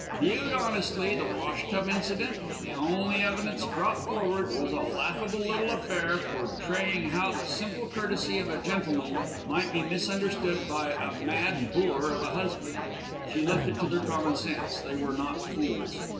Viewed honestly, the wash tub incident the only evidence brought forward was a laughable little affair, portraying how the simple courtesy of a gentleman might be misunderstood by a mad boor of a husband. She left it to their common sense; they were not fools.